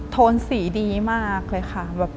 โทนสีดีมากเลยค่ะ